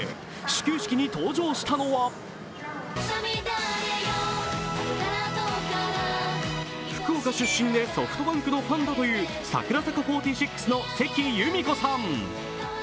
始球式に登場したのは福岡出身でソフトバンクのファンだという、櫻坂４６の関有美子さん。